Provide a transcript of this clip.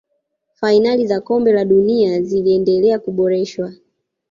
fainali za kombe la dunia ziliendelea kuboreshwa